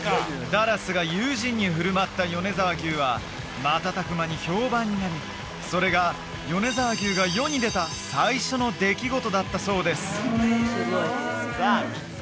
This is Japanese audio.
ダラスが友人に振る舞った米沢牛は瞬く間に評判になりそれが米沢牛が世に出た最初の出来事だったそうです